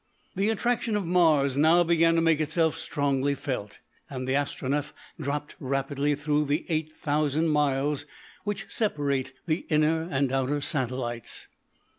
The attraction of Mars now began to make itself strongly felt, and the Astronef dropped rapidly through the eight thousand miles which separate the inner and outer satellites.